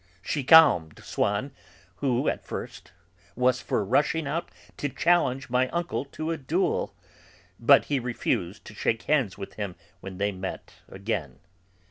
She calmed Swann, who, at first, was for rushing out to challenge my uncle to a duel, but he refused to shake hands with him when they met again.